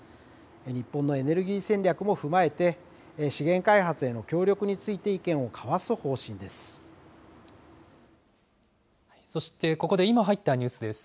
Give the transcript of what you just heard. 日本のエネルギー戦略も踏まえて、資源開発への協力について、意見そしてここで、今入ったニュースです。